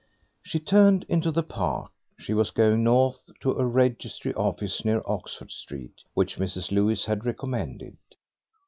She turned into the park. She was going north, to a registry office near Oxford Street, which Mrs. Lewis had recommended.